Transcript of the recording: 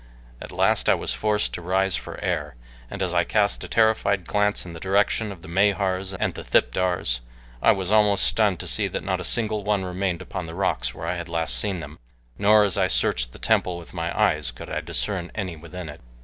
At last I was forced to rise for air, and as I cast a terrified glance in the direction of the Mahars and the thipdars I was almost stunned to see that not a single one remained upon the rocks where I had last seen them, nor as I searched the temple with my eyes could I discern any within it.